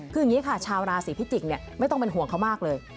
คืออย่างนี้ค่ะชาวราศีพิจิกษ์ไม่ต้องเป็นห่วงเขามากเลย